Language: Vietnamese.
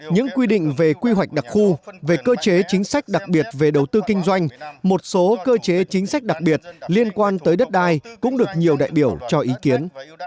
những quy định về quy hoạch đặc khu về cơ chế chính sách đặc biệt về đầu tư kinh doanh một số cơ chế chính sách đặc biệt liên quan tới đất đai cũng được nhiều đại biểu cho ý kiến